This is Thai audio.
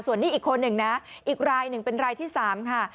ส่วนนี้อีกคนหนึ่งนะอีกรายหนึ่งเป็นรายที่๓ค่ะ